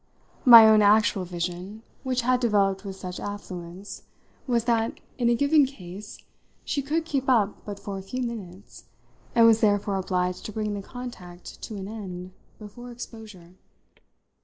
My own actual vision, which had developed with such affluence, was that, in a given case, she could keep up but for a few minutes and was therefore obliged to bring the contact to an end before exposure.